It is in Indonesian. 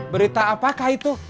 berita apakah itu